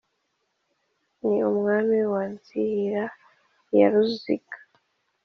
n'umwami wa nzihira ya ruziga,